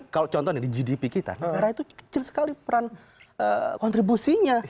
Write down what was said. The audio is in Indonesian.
kalau contohnya di gdp kita negara itu kecil sekali peran kontribusinya